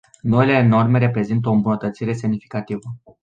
Noile norme reprezintă o îmbunătățire semnificativă.